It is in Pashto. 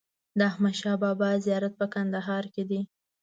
د احمدشاه بابا زیارت په کندهار کې دی.